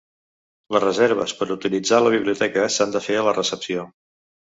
Les reserves per utilitzar la biblioteca s'han de fer a la recepció.